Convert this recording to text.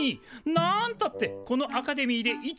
なんたってこのアカデミーで一番。